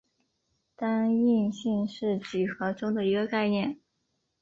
单应性是几何中的一个概念。